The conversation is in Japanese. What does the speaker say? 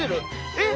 えっ？